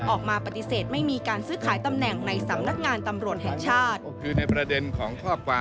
ออกมาปฏิเสธไม่มีการซื้อขายตำแหน่ง